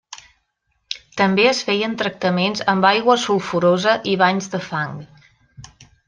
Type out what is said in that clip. També es feien tractaments amb aigua sulfurosa i banys de fang.